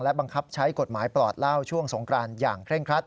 บังคับใช้กฎหมายปลอดเหล้าช่วงสงกรานอย่างเคร่งครัด